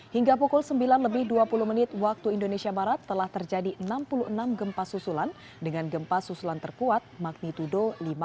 hingga pukul sembilan lebih dua puluh menit waktu indonesia barat telah terjadi enam puluh enam gempa susulan dengan gempa susulan terkuat magnitudo lima satu